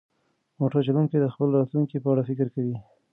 موټر چلونکی د خپل راتلونکي په اړه فکر کوي.